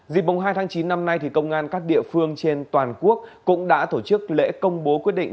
dịp mùng hai tháng chín năm nay công an các địa phương trên toàn quốc cũng đã tổ chức lễ công bố quyết định